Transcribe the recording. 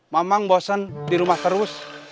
mamang bosen di rumah terus